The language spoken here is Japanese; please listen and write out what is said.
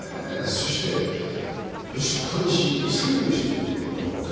そして打ちっぱなし潔しという事ですよね。